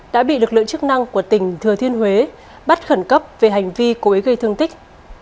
đã bị lực lượng chức năng của tỉnh thừa thiên huế bắt khẩn cấp về hành vi cố ý gây thương tích